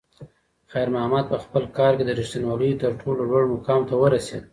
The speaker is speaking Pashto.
خیر محمد په خپل کار کې د رښتونولۍ تر ټولو لوړ مقام ته ورسېد.